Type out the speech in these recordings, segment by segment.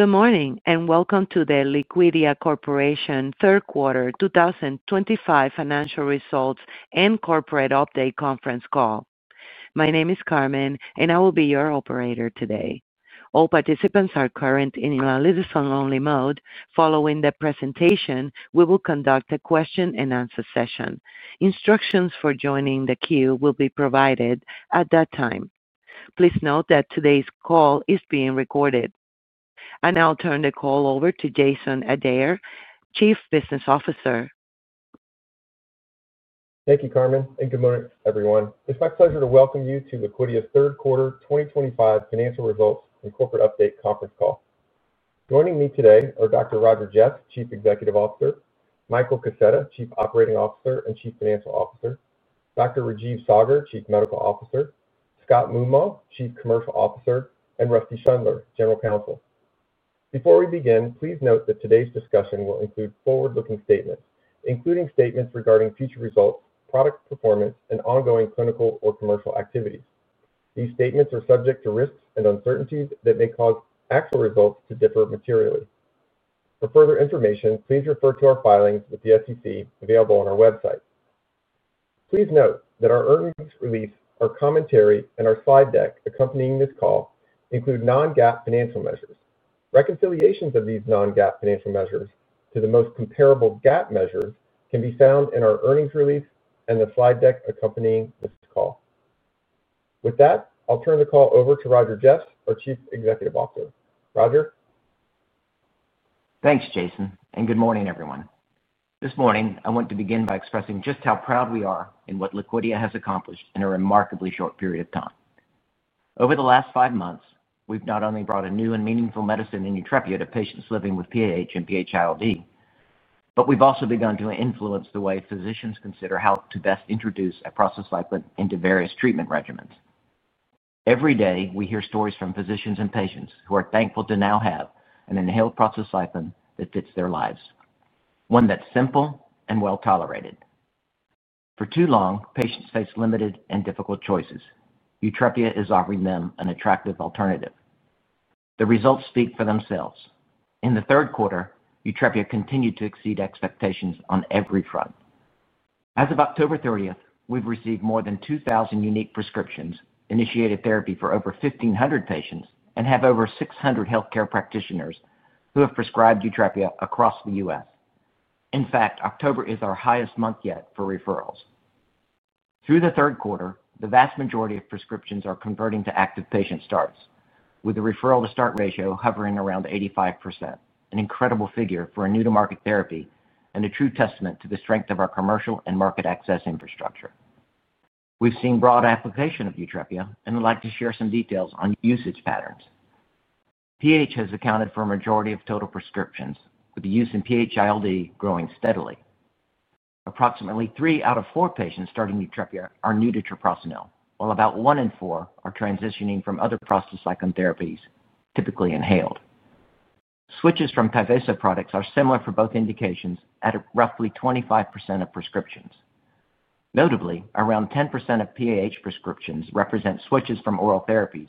Good morning and welcome to the Liquidia Corporation Third Quarter 2025 Financial Results and Corporate Update Conference call. My name is Carmen, and I will be your operator today. All participants are currently in a listen-only mode. Following the presentation, we will conduct a question-and-answer session. Instructions for joining the queue will be provided at that time. Please note that today's call is being recorded. I will turn the call over to Jason Adair, Chief Business Officer. Thank you, Carmen, and good morning, everyone. It's my pleasure to welcome you to Liquidia's Third Quarter 2025 Financial Results and Corporate Update Conference Call. Joining me today are Dr. Roger Jeffs, Chief Executive Officer; Michael Kaseta, Chief Operating Officer and Chief Financial Officer; Dr. Rajeev Saggar, Chief Medical Officer; Scott Moomaw, Chief Commercial Officer; and Rusty Schundler, General Counsel. Before we begin, please note that today's discussion will include forward-looking statements, including statements regarding future results, product performance, and ongoing clinical or commercial activities. These statements are subject to risks and uncertainties that may cause actual results to differ materially. For further information, please refer to our filings with the SEC available on our website. Please note that our earnings release, our commentary, and our slide deck accompanying this call include non-GAAP financial measures. Reconciliations of these non-GAAP financial measures to the most comparable GAAP measures can be found in our earnings release and the slide deck accompanying this call. With that, I'll turn the call over to Roger Jeffs, our Chief Executive Officer. Roger. Thanks, Jason, and good morning, everyone. This morning, I want to begin by expressing just how proud we are in what Liquidia has accomplished in a remarkably short period of time. Over the last 5 months, we've not only brought a new and meaningful medicine into the treatment of patients living with PAH and PH-ILD, but we've also begun to influence the way physicians consider how to best introduce a prostacyclin into various treatment regimens. Every day, we hear stories from physicians and patients who are thankful to now have an inhaled prostacyclin that fits their lives, one that's simple and well-tolerated. For too long, patients faced limited and difficult choices. YUTREPIA is offering them an attractive alternative. The results speak for themselves. In the third quarter, YUTREPIA continued to exceed expectations on every front. As of October 30th, we've received more than 2,000 unique prescriptions, initiated therapy for over 1,500 patients, and have over 600 healthcare practitioners who have prescribed YUTREPIA across the U.S. In fact, October is our highest month yet for referrals. Through the third quarter, the vast majority of prescriptions are converting to active patient starts, with a referral-to-start ratio hovering around 85%, an incredible figure for a new-to-market therapy and a true testament to the strength of our commercial and market access infrastructure. We've seen broad application of YUTREPIA, and I'd like to share some details on usage patterns. PAH has accounted for a majority of total prescriptions, with the use in PH-ILD growing steadily. Approximately three out of four patients starting YUTREPIA are new to treprostinil, while about one in four are transitioning from other prostacyclin therapies, typically inhaled. Switches from Tyvaso products are similar for both indications at roughly 25% of prescriptions. Notably, around 10% of PAH prescriptions represent switches from oral therapies,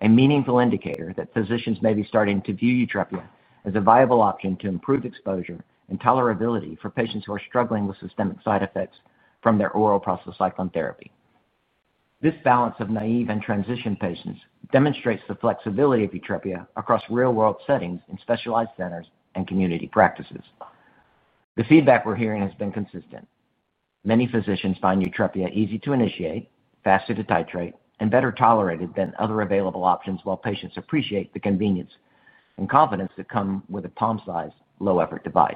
a meaningful indicator that physicians may be starting to view YUTREPIA as a viable option to improve exposure and tolerability for patients who are struggling with systemic side effects from their oral prostacyclin therapy. This balance of naive and transition patients demonstrates the flexibility of YUTREPIA across real-world settings in specialized centers and community practices. The feedback we're hearing has been consistent. Many physicians find YUTREPIA easy to initiate, faster to titrate, and better tolerated than other available options, while patients appreciate the convenience and confidence that come with a palm-size, low-effort device.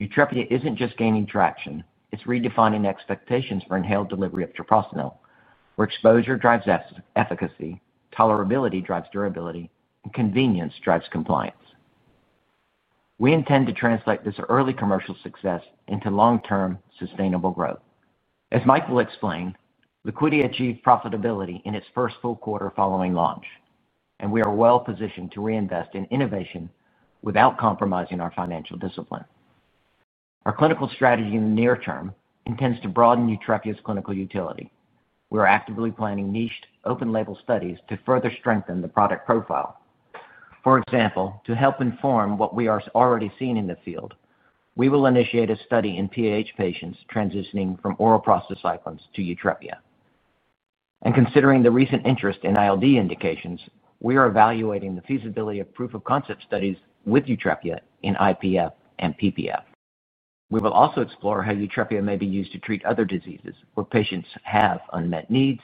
YUTREPIA isn't just gaining traction; it's redefining expectations for inhaled delivery of treprostinil, where exposure drives efficacy, tolerability drives durability, and convenience drives compliance. We intend to translate this early commercial success into long-term sustainable growth. As Michael explained, Liquidia achieved profitability in its first full quarter following launch, and we are well-positioned to reinvest in innovation without compromising our financial discipline. Our clinical strategy in the near term intends to broaden YUTREPIA's clinical utility. We are actively planning niched, open-label studies to further strengthen the product profile. For example, to help inform what we are already seeing in the field, we will initiate a study in PAH patients transitioning from oral prostacyclin to YUTREPIA. Considering the recent interest in ILD indications, we are evaluating the feasibility of proof-of-concept studies with YUTREPIA in IPF and PPF. We will also explore how YUTREPIA may be used to treat other diseases where patients have unmet needs,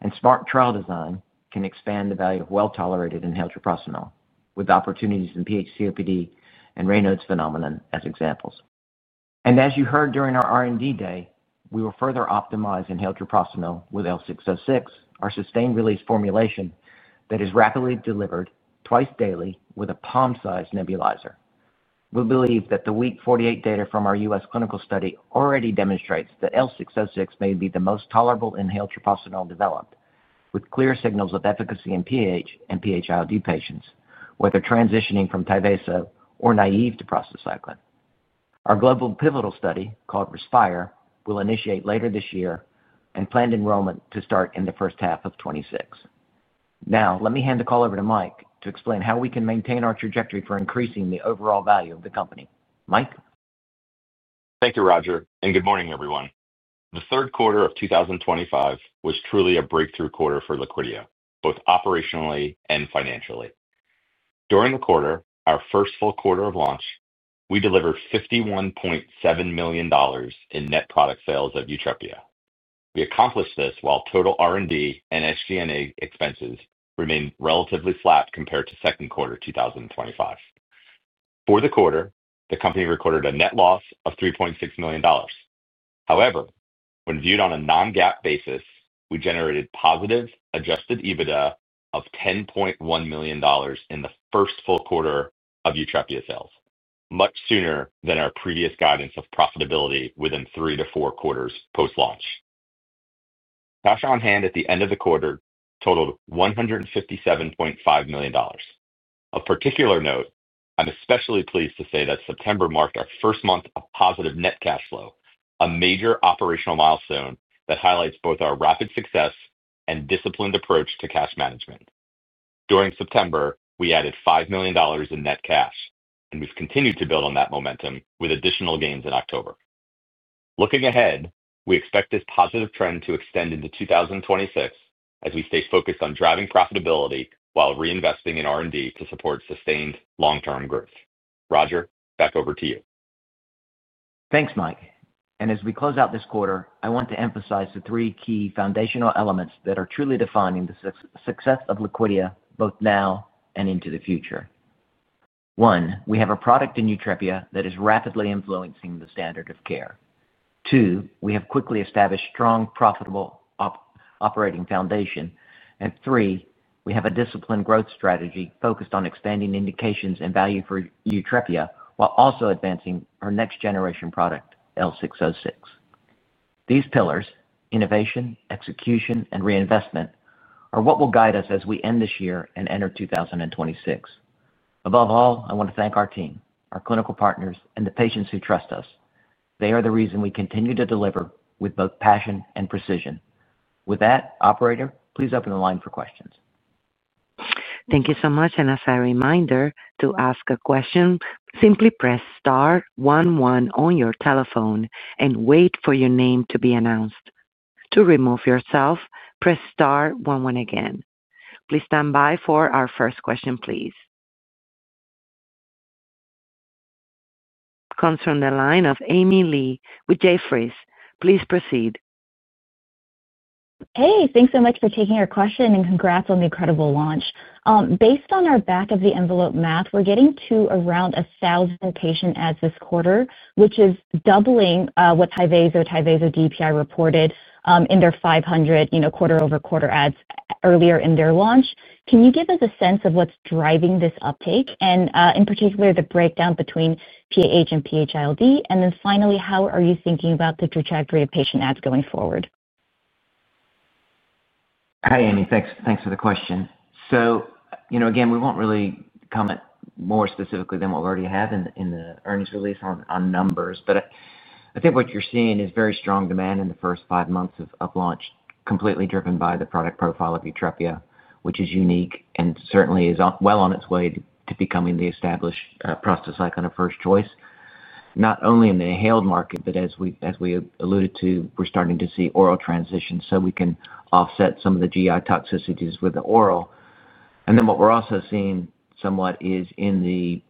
and smart trial design can expand the value of well-tolerated inhaled treprostinil, with opportunities in PH-COPD and Raynaud's phenomenon as examples. As you heard during our R&D day, we will further optimize inhaled treprostinil with L606, our sustained-release formulation that is rapidly delivered twice daily with a palm-sized nebulizer. We believe that the week 48 data from our U.S. clinical study already demonstrates that L606 may be the most tolerable inhaled treprostinil developed, with clear signals of efficacy in PAH and PH-ILD patients, whether transitioning from Tyvaso or naive to prostacyclin. Our global pivotal study, called RESPIRE, will initiate later this year and planned enrollment to start in the first half of 2026. Now, let me hand the call over to Mike to explain how we can maintain our trajectory for increasing the overall value of the company. Mike. Thank you, Roger, and good morning, everyone. The third quarter of 2025 was truly a breakthrough quarter for Liquidia, both operationally and financially. During the quarter, our first full quarter of launch, we delivered $51.7 million in net product sales of YUTREPIA. We accomplished this while total R&D and SG&A expenses remained relatively flat compared to second quarter 2025. For the quarter, the company recorded a net loss of $3.6 million. However, when viewed on a non-GAAP basis, we generated positive adjusted EBITDA of $10.1 million in the first full quarter of YUTREPIA sales, much sooner than our previous guidance of profitability within three to four quarters post-launch. Cash on hand at the end of the quarter totaled $157.5 million. Of particular note, I'm especially pleased to say that September marked our first month of positive net cash flow, a major operational milestone that highlights both our rapid success and disciplined approach to cash management. During September, we added $5 million in net cash, and we've continued to build on that momentum with additional gains in October. Looking ahead, we expect this positive trend to extend into 2026 as we stay focused on driving profitability while reinvesting in R&D to support sustained long-term growth. Roger, back over to you. Thanks, Mike. As we close out this quarter, I want to emphasize the three key foundational elements that are truly defining the success of Liquidia both now and into the future. One, we have a product in YUTREPIA that is rapidly influencing the standard of care. Two, we have quickly established a strong, profitable operating foundation. Three, we have a disciplined growth strategy focused on expanding indications and value for YUTREPIA while also advancing our next-generation product, L606. These pillars, innovation, execution, and reinvestment, are what will guide us as we end this year and enter 2026. Above all, I want to thank our team, our clinical partners, and the patients who trust us. They are the reason we continue to deliver with both passion and precision. With that, operator, please open the line for questions. Thank you so much. As a reminder to ask a question, simply press star one one on your telephone and wait for your name to be announced. To remove yourself, press star one one again. Please stand by for our first question, please. Comes from the line of Amy Li with Jefferies. Please proceed. Hey, thanks so much for taking our question and congrats on the incredible launch. Based on our back-of-the-envelope math, we're getting to around 1,000 patient adds this quarter, which is doubling what Tyvaso, Tyvaso DPI reported in their 500 quarter-over-quarter adds earlier in their launch. Can you give us a sense of what's driving this uptake and, in particular, the breakdown between PAH and PH-ILD? And then finally, how are you thinking about the trajectory of patient adds going forward? Hi, Amy. Thanks for the question. Again, we won't really comment more specifically than what we already have in the earnings release on numbers, but I think what you're seeing is very strong demand in the first 5 months of launch, completely driven by the product profile of YUTREPIA, which is unique and certainly is well on its way to becoming the established prostacyclin of first choice, not only in the inhaled market, but as we alluded to, we're starting to see oral transition so we can offset some of the GI toxicities with the oral. What we're also seeing somewhat is in the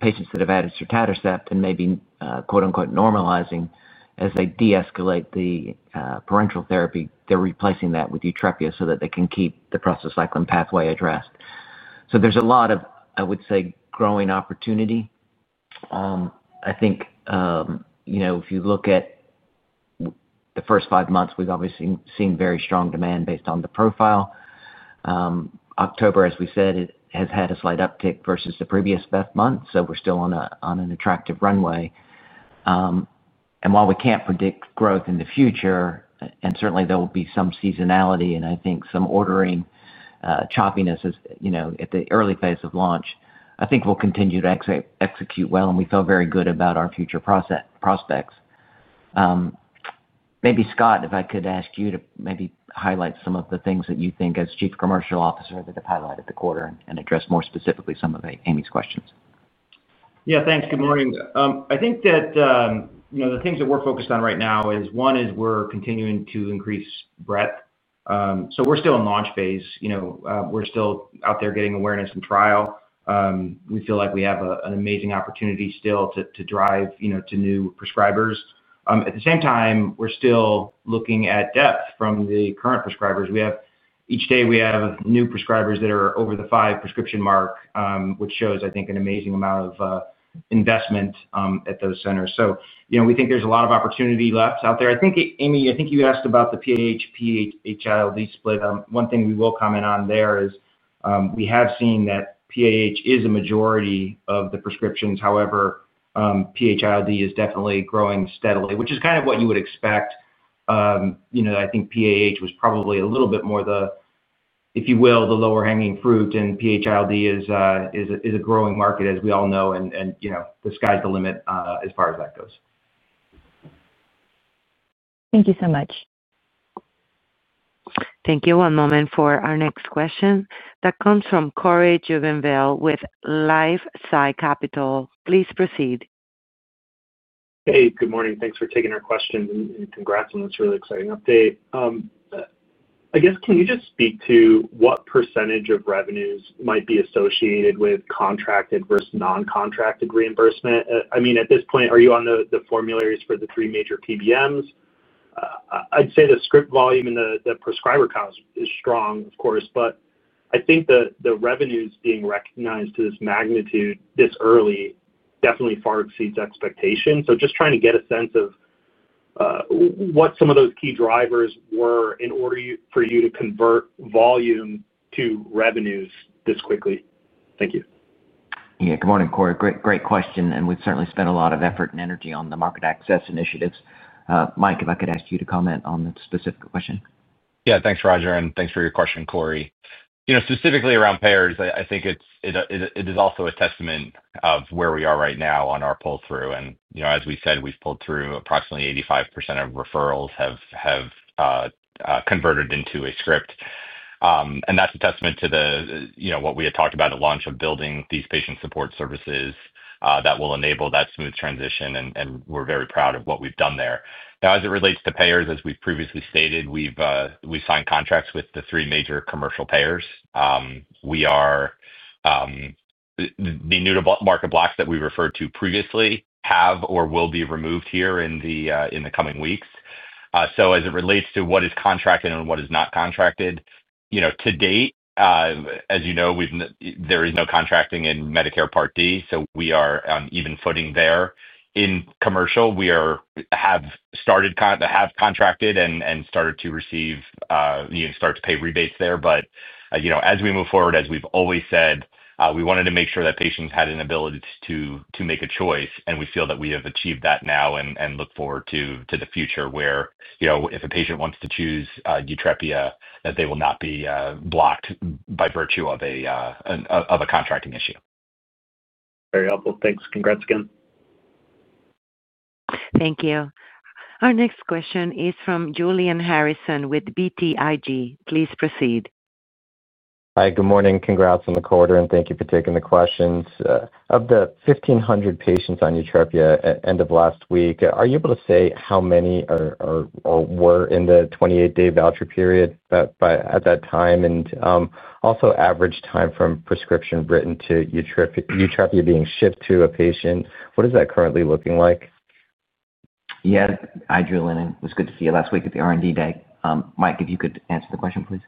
patients that have added sotatercept and maybe "normalizing" as they de-escalate the parenteral therapy, they're replacing that with YUTREPIA so that they can keep the prostacyclin pathway addressed. There's a lot of, I would say, growing opportunity. I think if you look at the first 5 months, we've obviously seen very strong demand based on the profile. October, as we said, has had a slight uptick versus the previous month, so we're still on an attractive runway. While we can't predict growth in the future, and certainly there will be some seasonality and I think some ordering choppiness at the early phase of launch, I think we'll continue to execute well, and we feel very good about our future prospects. Maybe Scott, if I could ask you to maybe highlight some of the things that you think as Chief Commercial Officer that have highlighted the quarter and address more specifically some of Amy's questions. Yeah, thanks. Good morning. I think that the things that we're focused on right now is one is we're continuing to increase breadth. We're still in launch phase. We're still out there getting awareness and trial. We feel like we have an amazing opportunity still to drive to new prescribers. At the same time, we're still looking at depth from the current prescribers. Each day, we have new prescribers that are over the five prescription mark, which shows, I think, an amazing amount of investment at those centers. We think there's a lot of opportunity left out there. I think, Amy, I think you asked about the PAH, PH-ILD split. One thing we will comment on there is we have seen that PAH is a majority of the prescriptions. However, PH-ILD is definitely growing steadily, which is kind of what you would expect. I think PAH was probably a little bit more, if you will, the lower-hanging fruit, and PH-ILD is a growing market, as we all know, and the sky's the limit as far as that goes. Thank you so much. Thank you. One moment for our next question. That comes from Cory Jubinville with LifeSci Capital. Please proceed. Hey, good morning. Thanks for taking our question and congrats on this really exciting update. I guess, can you just speak to what percentage of revenues might be associated with contracted versus non-contracted reimbursement? I mean, at this point, are you on the formularies for the three major PBMs? I'd say the script volume and the prescriber cost is strong, of course, but I think the revenues being recognized to this magnitude this early definitely far exceeds expectations. Just trying to get a sense of what some of those key drivers were in order for you to convert volume to revenues this quickly. Thank you. Yeah, good morning, Cory. Great question. We have certainly spent a lot of effort and energy on the market access initiatives. Mike, if I could ask you to comment on the specific question. Yeah, thanks, Roger, and thanks for your question, Cory. Specifically around payers, I think it is also a testament of where we are right now on our pull-through. As we said, we've pulled through approximately 85% of referrals have converted into a script. That's a testament to what we had talked about at launch of building these patient support services that will enable that smooth transition, and we're very proud of what we've done there. Now, as it relates to payers, as we've previously stated, we've signed contracts with the three major commercial payers. The new market blocks that we referred to previously have or will be removed here in the coming weeks. As it relates to what is contracted and what is not contracted, to date, as you know, there is no contracting in Medicare Part D, so we are on even footing there. In commercial, we have started to have contracted and started to receive, start to pay rebates there. As we move forward, as we've always said, we wanted to make sure that patients had an ability to make a choice, and we feel that we have achieved that now and look forward to the future where if a patient wants to choose YUTREPIA, that they will not be blocked by virtue of a contracting issue. Very helpful. Thanks. Congrats again. Thank you. Our next question is from Julian Harrison with BTIG. Please proceed. Hi, good morning. Congrats on the quarter, and thank you for taking the questions. Of the 1,500 patients on YUTREPIA at the end of last week, are you able to say how many were in the 28-day voucher period at that time? Also, average time from prescription written to YUTREPIA being shipped to a patient, what is that currently looking like? Yeah, hi, Julian. It was good to see you last week at the R&D day. Mike, if you could answer the question, please.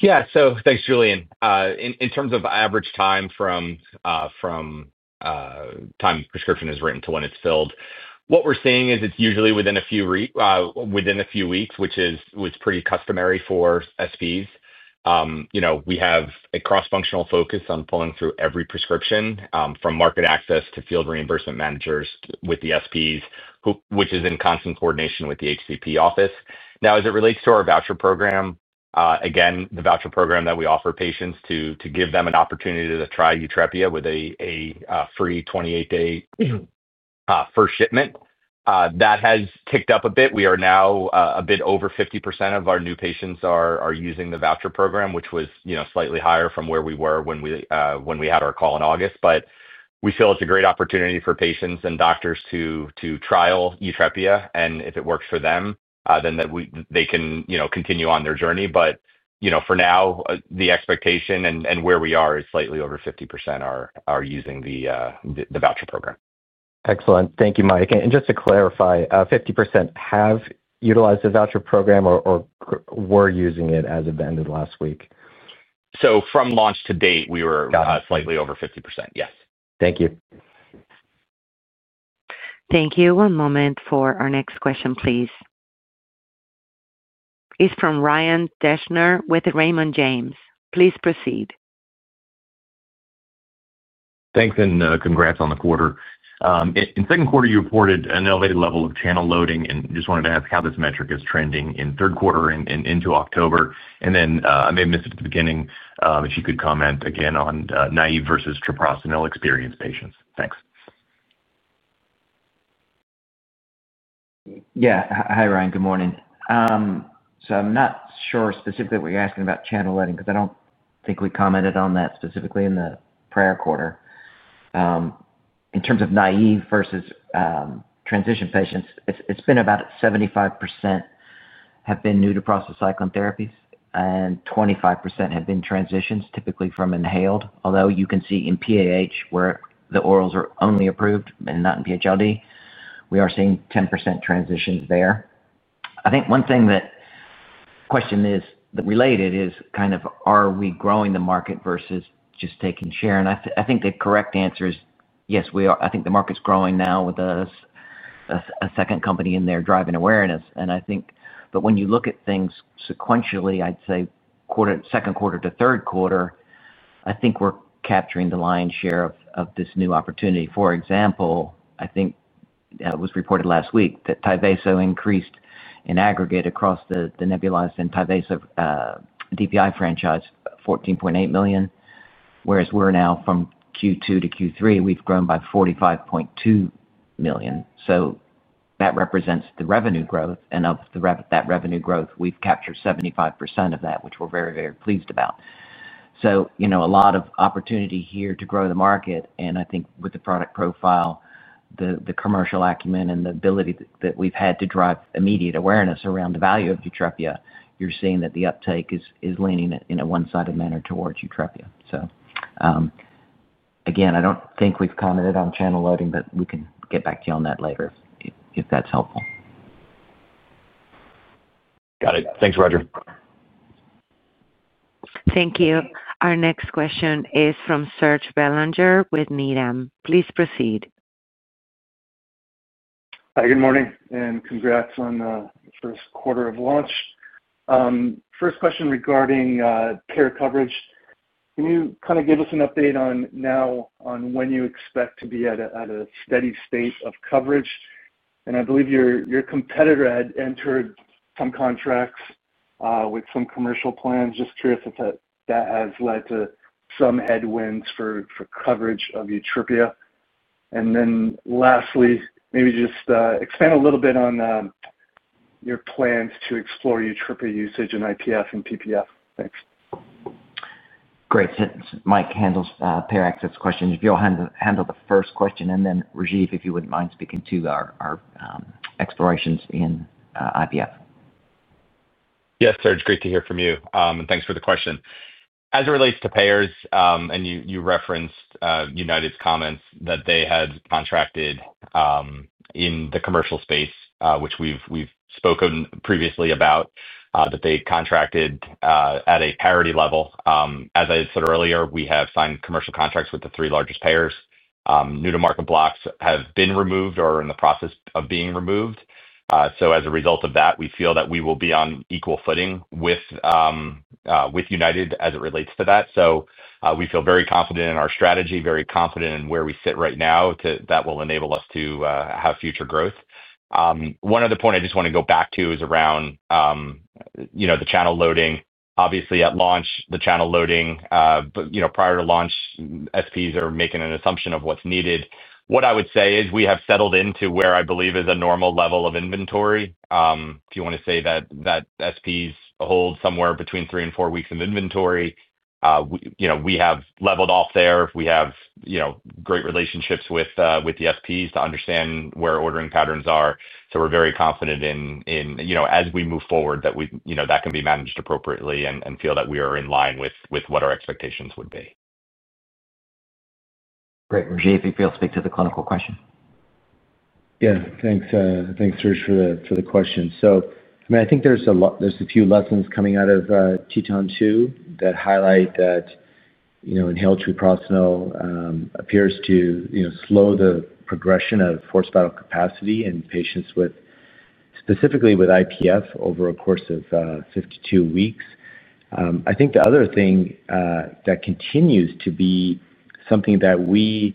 Yeah, so thanks, Julian. In terms of average time from time a prescription is written to when it's filled, what we're seeing is it's usually within a few weeks, which is pretty customary for SPs. We have a cross-functional focus on pulling through every prescription from market access to field reimbursement managers with the SPs, which is in constant coordination with the HCP office. Now, as it relates to our voucher program, again, the voucher program that we offer patients to give them an opportunity to try YUTREPIA with a free 28-day first shipment, that has ticked up a bit. We are now a bit over 50% of our new patients are using the voucher program, which was slightly higher from where we were when we had our call in August. We feel it's a great opportunity for patients and doctors to trial YUTREPIA. If it works for them, then they can continue on their journey. For now, the expectation and where we are is slightly over 50% are using the voucher program. Excellent. Thank you, Mike. And just to clarify, 50% have utilized the voucher program or were using it as it ended last week? From launch to date, we were slightly over 50%, yes. Thank you. Thank you. One moment for our next question, please. It is from Ryan Deschner with Raymond James. Please proceed. Thanks, and congrats on the quarter. In second quarter, you reported an elevated level of channel loading, and just wanted to ask how this metric is trending in third quarter and into October. I may have missed it at the beginning. If you could comment again on naïve versus treprostinil-experienced patients. Thanks. Yeah. Hi, Ryan. Good morning. I'm not sure specifically what you're asking about channel loading because I don't think we commented on that specifically in the prior quarter. In terms of naive versus transition patients, it's been about 75% have been new to prostacyclin therapies and 25% have been transitions, typically from inhaled. Although you can see in PAH where the orals are only approved and not in PH-ILD, we are seeing 10% transitions there. I think one thing that question is related is kind of are we growing the market versus just taking share? I think the correct answer is yes, we are. I think the market's growing now with a second company in there driving awareness. When you look at things sequentially, I'd say second quarter to third quarter, I think we're capturing the lion's share of this new opportunity. For example, I think it was reported last week that Tyvaso increased in aggregate across the nebulized and Tyvaso DPI franchise, $14.8 million, whereas we're now from Q2 to Q3, we've grown by $45.2 million. That represents the revenue growth. Of that revenue growth, we've captured 75% of that, which we're very, very pleased about. A lot of opportunity here to grow the market. I think with the product profile, the commercial acumen, and the ability that we've had to drive immediate awareness around the value of YUTREPIA, you're seeing that the uptake is leaning in a one-sided manner towards YUTREPIA. I don't think we've commented on channel loading, but we can get back to you on that later if that's helpful. Got it. Thanks, Roger. Thank you. Our next question is from Serge Belanger with Needham. Please proceed. Hi, good morning, and congrats on the first quarter of launch. First question regarding care coverage. Can you kind of give us an update now on when you expect to be at a steady state of coverage? I believe your competitor had entered some contracts with some commercial plans. Just curious if that has led to some headwinds for coverage of YUTREPIA. Lastly, maybe just expand a little bit on your plans to explore YUTREPIA usage in IPF and PPF. Thanks. Great. Mike handles payer access questions. If you'll handle the first question, and then Rajeev, if you wouldn't mind speaking to our explorations in IPF. Yes, Serge, great to hear from you. Thanks for the question. As it relates to payers, and you referenced United's comments that they had contracted. In the commercial space, which we've spoken previously about, that they contracted at a parity level. As I said earlier, we have signed commercial contracts with the three largest payers. New-to-market blocks have been removed or are in the process of being removed. As a result of that, we feel that we will be on equal footing with United as it relates to that. We feel very confident in our strategy, very confident in where we sit right now that will enable us to have future growth. One other point I just want to go back to is around the channel loading. Obviously, at launch, the channel loading, but prior to launch, SPs are making an assumption of what's needed. What I would say is we have settled into where I believe is a normal level of inventory. If you want to say that SPs hold somewhere between three and four weeks of inventory, we have leveled off there. We have great relationships with the SPs to understand where ordering patterns are. We are very confident in, as we move forward, that that can be managed appropriately and feel that we are in line with what our expectations would be. Great. Rajeev, if you'll speak to the clinical question. Yeah, thanks, Serge, for the question. I mean, I think there's a few lessons coming out of TETON 2 that highlight that. Inhaled treprostinil appears to slow the progression of forced vital capacity in patients specifically with IPF over a course of 52 weeks. I think the other thing that continues to be something that we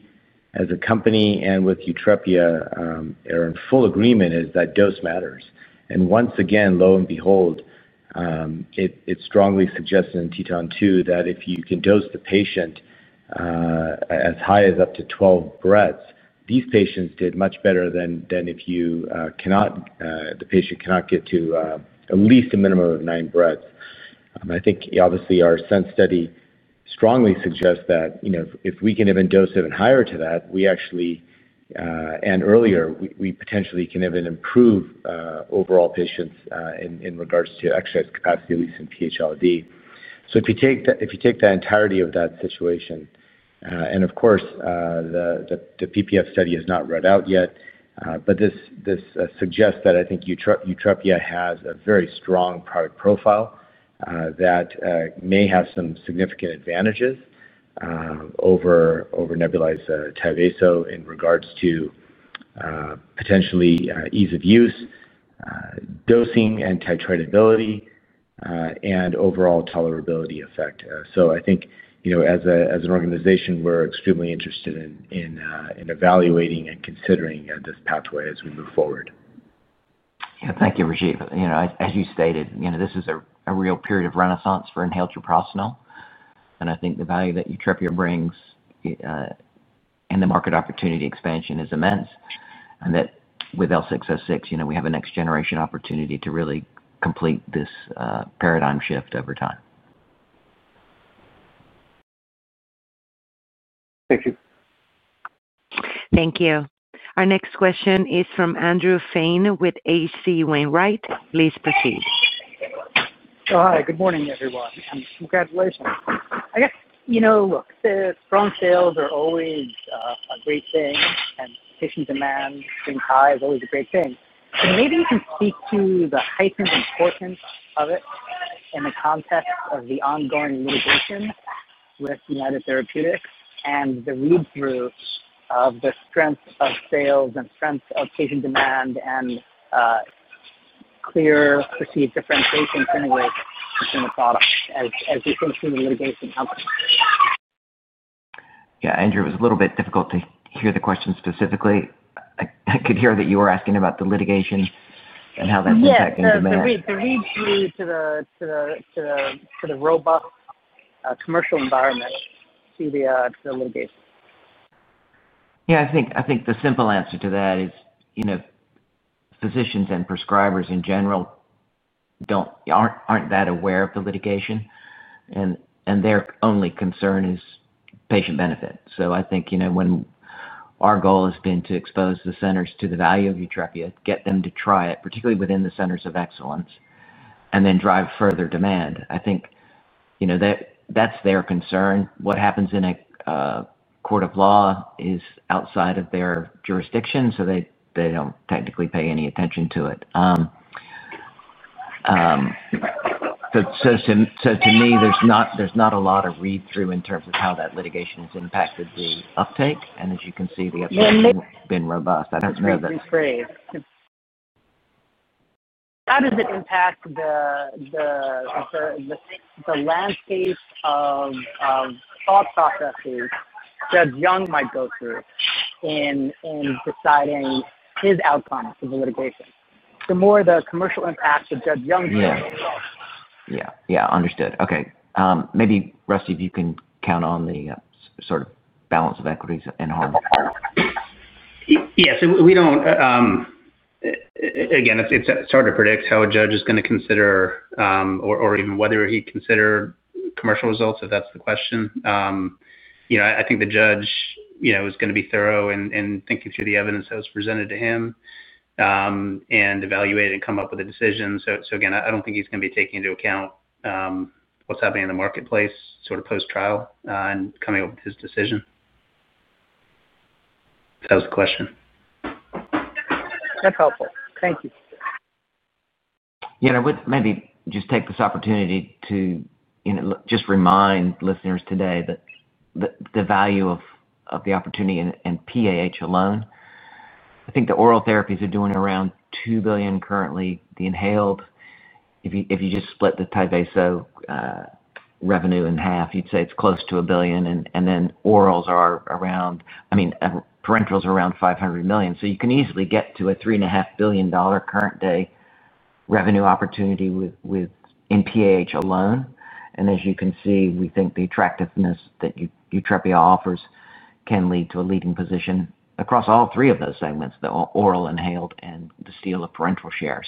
as a company and with YUTREPIA are in full agreement is that dose matters. Once again, lo and behold, it strongly suggests in TETON 2 that if you can dose the patient as high as up to 12 breaths, these patients did much better than if the patient cannot get to at least a minimum of 9 breaths. I think obviously our sense study strongly suggests that if we can even dose even higher to that, we actually, and earlier, we potentially can even improve overall patients in regards to exercise capacity, at least in PH-ILD. If you take the entirety of that situation, the PPF study has not read out yet, but this suggests that I think YUTREPIA has a very strong product profile that may have some significant advantages over Tyvaso in regards to potentially ease of use, dosing and titratability, and overall tolerability effect. I think as an organization, we're extremely interested in evaluating and considering this pathway as we move forward. Yeah, thank you, Rajeev. As you stated, this is a real period of renaissance for inhaled treprostinil. I think the value that YUTREPIA brings and the market opportunity expansion is immense. With L606, we have a next-generation opportunity to really complete this paradigm shift over time. Thank you. Thank you. Our next question is from Andrew Fein with H.C. Wainwright & Co. Please proceed. Hi, good morning, everyone. Congratulations. I guess, look, strong sales are always a great thing, and patient demand being high is always a great thing. Maybe you can speak to the heightened importance of it in the context of the ongoing litigation with United Therapeutics and the read-through of the strength of sales and strength of patient demand and clear perceived differentiation in any way between the products as we continue the litigation outcome. Yeah, Andrew, it was a little bit difficult to hear the question specifically. I could hear that you were asking about the litigation and how that's affecting demand. Yeah, the read-through to the robust commercial environment to the litigation. Yeah, I think the simple answer to that is physicians and prescribers in general aren't that aware of the litigation. Their only concern is patient benefit. I think our goal has been to expose the centers to the value of YUTREPIA, get them to try it, particularly within the centers of excellence, and then drive further demand. I think that's their concern. What happens in a court of law is outside of their jurisdiction, so they don't technically pay any attention to it. To me, there's not a lot of read-through in terms of how that litigation has impacted the uptake. As you can see, the uptake has been robust. I don't know that. How does it impact the landscape of thought processes Judge Young might go through in deciding his outcome of the litigation? The more the commercial impact that Judge Young sees. Yeah, yeah, understood. Okay. Maybe Rusty, if you can comment on the sort of balance of equities and harm. Yeah, so we don't. Again, it's hard to predict how a judge is going to consider. Or even whether he'd consider commercial results, if that's the question. I think the judge is going to be thorough in thinking through the evidence that was presented to him and evaluate and come up with a decision. Again, I don't think he's going to be taking into account what's happening in the marketplace, sort of post-trial, and coming up with his decision. That was the question. That's helpful. Thank you. Yeah, maybe just take this opportunity to just remind listeners today that the value of the opportunity in PAH alone, I think the oral therapies are doing around $2 billion currently. The inhaled, if you just split the Tyvaso revenue in half, you'd say it's close to $1 billion. And then orals are around, I mean, parentals are around $500 million. You can easily get to a $3.5 billion current-day revenue opportunity in PAH alone. As you can see, we think the attractiveness that YUTREPIA offers can lead to a leading position across all three of those segments, the oral, inhaled, and the steal of parental share.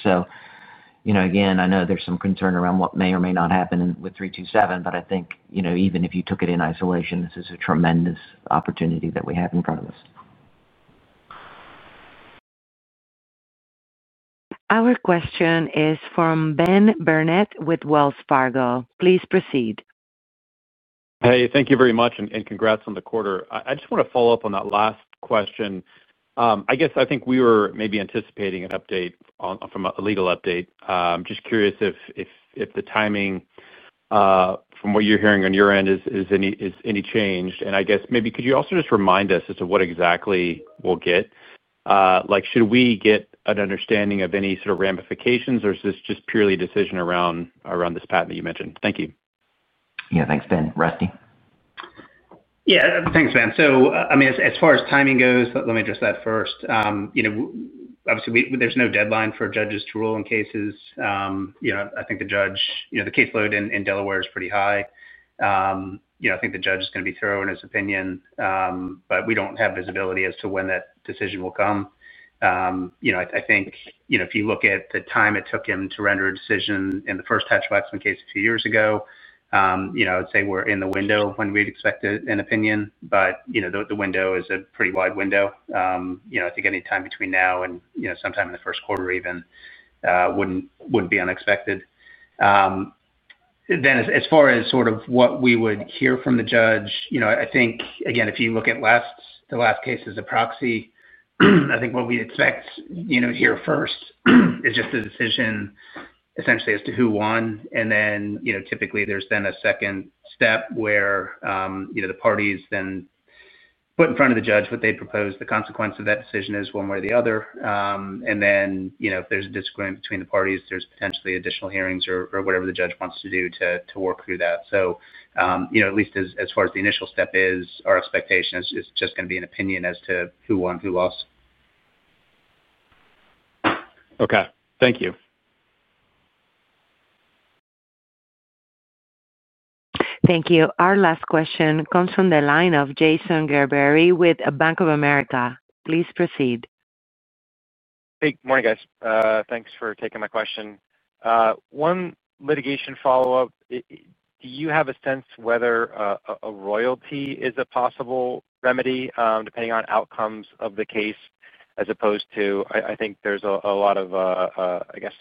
Again, I know there's some concern around what may or may not happen with 327, but I think even if you took it in isolation, this is a tremendous opportunity that we have in front of us. Our question is from Ben Burnett with Wells Fargo. Please proceed. Hey, thank you very much, and congrats on the quarter. I just want to follow up on that last question. I guess I think we were maybe anticipating an update from a legal update. Just curious if the timing, from what you're hearing on your end, is any changed. I guess maybe could you also just remind us as to what exactly we'll get? Should we get an understanding of any sort of ramifications, or is this just purely a decision around this patent that you mentioned? Thank you. Yeah, thanks, Ben. Rusty? Yeah, thanks, Ben. So I mean, as far as timing goes, let me address that first. Obviously, there's no deadline for judges to rule in cases. I think the judge, the caseload in Delaware is pretty high. I think the judge is going to be throwing his opinion, but we don't have visibility as to when that decision will come. I think if you look at the time it took him to render a decision in the first Hatch-Waxman case a few years ago, I'd say we're in the window when we'd expect an opinion. The window is a pretty wide window. I think any time between now and sometime in the first quarter even would not be unexpected. As far as sort of what we would hear from the judge, I think, again, if you look at the last case as a proxy, I think what we'd expect here first is just a decision, essentially as to who won. Typically there's then a second step where the parties then put in front of the judge what they propose the consequence of that decision is, one way or the other. If there's a disagreement between the parties, there's potentially additional hearings or whatever the judge wants to do to work through that. At least as far as the initial step is, our expectation is just going to be an opinion as to who won and who lost. Okay. Thank you. Thank you. Our last question comes from the line of Jason Gerbery with Bank of America. Please proceed. Hey, good morning, guys. Thanks for taking my question. One litigation follow-up. Do you have a sense whether a royalty is a possible remedy depending on outcomes of the case as opposed to I think there's a lot of, I guess,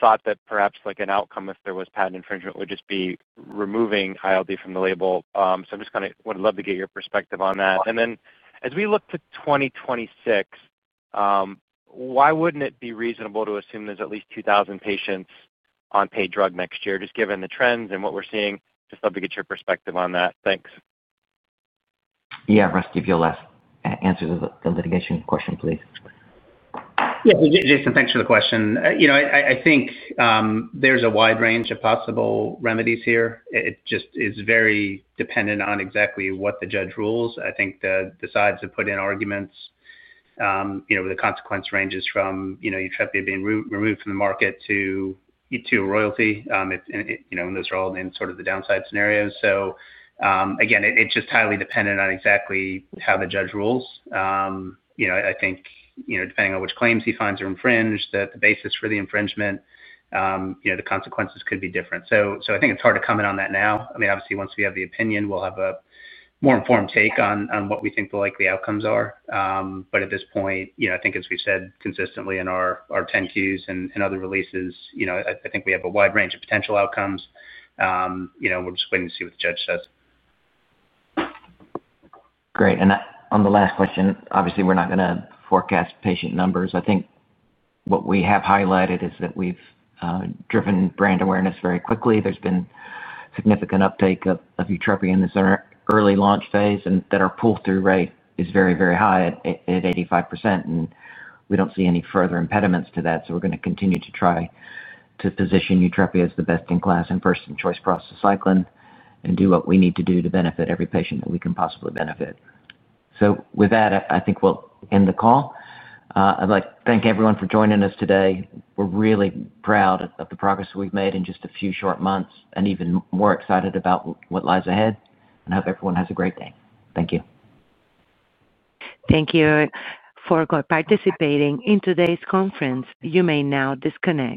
thought that perhaps an outcome if there was patent infringement would just be removing ILD from the label. I just kind of would love to get your perspective on that. As we look to 2026, why wouldn't it be reasonable to assume there's at least 2,000 patients on paid drug next year? Just given the trends and what we're seeing, just love to get your perspective on that. Thanks. Yeah, Rusty, if you'll answer the litigation question, please. Yeah, Jason, thanks for the question. I think there's a wide range of possible remedies here. It just is very dependent on exactly what the judge rules. I think the sides have put in arguments. The consequence ranges from YUTREPIA being removed from the market to a royalty. And those are all in sort of the downside scenarios. Again, it's just highly dependent on exactly how the judge rules. I think depending on which claims he finds are infringed, the basis for the infringement, the consequences could be different. I think it's hard to comment on that now. I mean, obviously, once we have the opinion, we'll have a more informed take on what we think the likely outcomes are. At this point, I think, as we've said consistently in our 10-Qs and other releases, we have a wide range of potential outcomes. We're just waiting to see what the judge says. Great. On the last question, obviously, we're not going to forecast patient numbers. I think what we have highlighted is that we've driven brand awareness very quickly. There's been significant uptake of YUTREPIA in this early launch phase, and our pull-through rate is very, very high at 85%. We don't see any further impediments to that. We're going to continue to try to position YUTREPIA as the best in class and first in choice process cycling and do what we need to do to benefit every patient that we can possibly benefit. With that, I think we'll end the call. I'd like to thank everyone for joining us today. We're really proud of the progress we've made in just a few short months and even more excited about what lies ahead. I hope everyone has a great day. Thank you. Thank you for participating in today's conference. You may now disconnect.